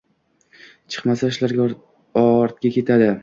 chiqmasa, ishlar ortga ketadi.